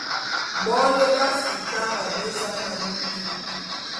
Bone be Afrikara be za mane tup.